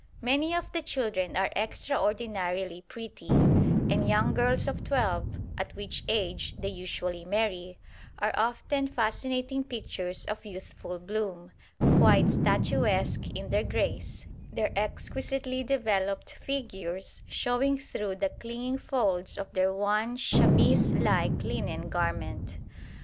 Many of the children are extraordinarily pretty, and young girls of twelve (at which age they usually marry) are often fascinating pictures of youthful bloom, quite statuesque in their grace, their exquisitely developed figures showing through the clinging folds of their one chemise like linen garment.